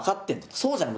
「そうじゃない。